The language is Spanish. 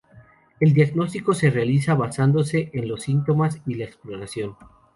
El diagnóstico se realiza basándose en los síntomas y la exploración.